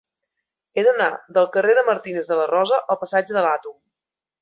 He d'anar del carrer de Martínez de la Rosa al passatge de l'Àtom.